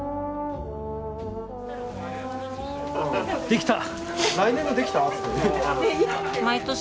できた！